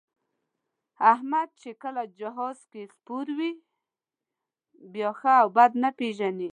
احمد چې کله جهاز کې سپور وي، بیا ښه او بد نه پېژني.